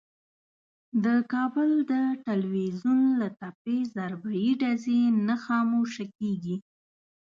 د کابل د ټلوېزیون له تپې ضربهیي ډزې نه خاموشه کېږي.